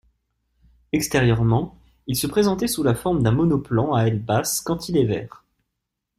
Extérieurement il se présentait sous la forme d'un monoplan à aile basse cantilever.